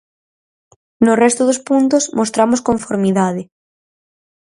No resto dos puntos mostramos conformidade.